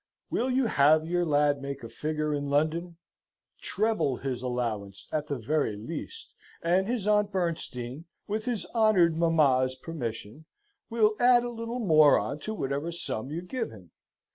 Will you have your ladd make a figar in London? Trebble his allowance at the very least, and his Aunt Bernstein (with his honored mamma's permission) will add a little more on to whatever summ you give him.